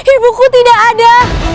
ibuku tidak ada